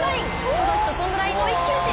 ソダシとソングラインの一騎打ち。